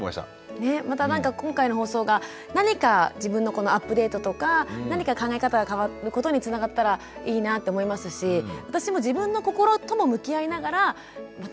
またなんか今回の放送が何か自分のこのアップデートとか何か考え方が変わることにつながったらいいなと思いますし私も自分の心とも向き合いながらまた頑張っていきたいなって思います。